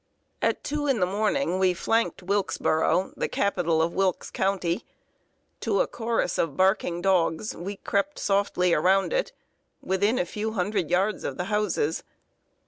At two in the morning we flanked Wilkesboro, the capital of Wilkes County. To a chorus of barking dogs, we crept softly around it, within a few hundred yards of the houses.